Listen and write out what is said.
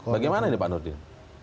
bagaimana ini pak nurdin